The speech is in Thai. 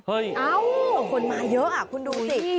เอ้าเค้าคนมาเยอะอ่ะคุณดูสิ